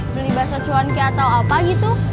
beli bakso cuanki atau apa gitu